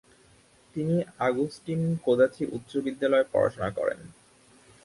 তিনি আগুস্টিন কোদাজি উচ্চ বিদ্যালয়ে পড়াশোনা করেন।